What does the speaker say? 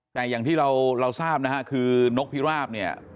แต่อย่างที่เราทราบนะฮะคือนกพิราบเนี่ย